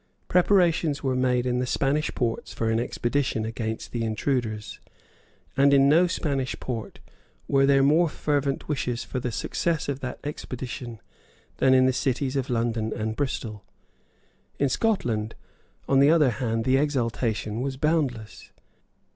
Preparations were made in the Spanish ports for an expedition against the intruders; and in no Spanish port were there more fervent wishes for the success of that expedition than in the cities of London and Bristol. In Scotland, on the other hand, the exultation was boundless.